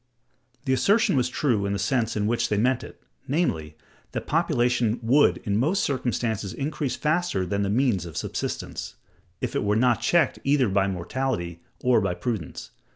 The assertion was true in the sense in which they meant it, namely, that population would in most circumstances increase faster than the means of subsistence, if it were not checked either by mortality or by prudence.